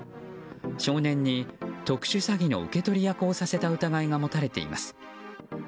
少年に特殊詐欺の受け取り役をさせた疑いが持たれています。